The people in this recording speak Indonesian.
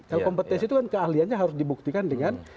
kalau kompetisi itu kan keahliannya harus dibuktikan dengan